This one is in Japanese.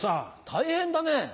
大変だね。